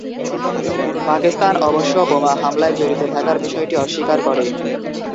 পাকিস্তান অবশ্য বোমা হামলায় জড়িত থাকার বিষয়টি অস্বীকার করে।